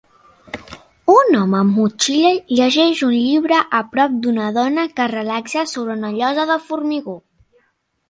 Un home amb motxilla llegeix un llibre a prop d'una dona que es relaxa sobre una llosa de formigó.